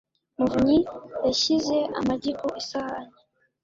muvunyi yashyize amagi ku isahani.